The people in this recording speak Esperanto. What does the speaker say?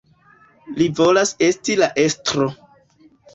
Li volas esti la estro.